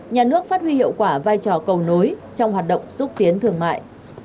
nhà nước phát huy hiệu quả vai trò cầu nối trong hoạt động xúc tiến thương mại